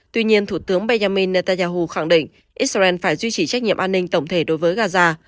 tuy nhiên thủ tướng benjamin netanyahu khẳng định israel phải duy trì trách nhiệm an ninh tổng thể đối với gaza